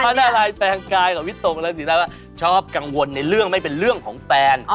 มันอะไรแปลงกายกับวิตรงราศีได้ว่าชอบกังวลในเรื่องไม่เป็นเรื่องของแฟน